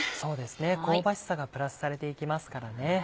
香ばしさがプラスされていきますからね。